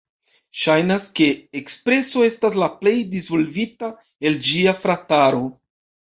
Ŝajnas ke Ekspreso estas la plej disvolvita el ĝia "frataro".